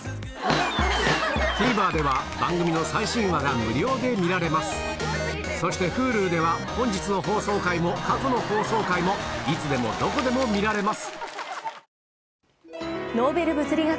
ＴＶｅｒでは番組の最新話が無料で見られますそしてＨｕｌｕでは本日の放送回も過去の放送回もいつでもどこでも見られます